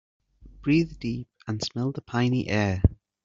Breathe deep and smell the piny air.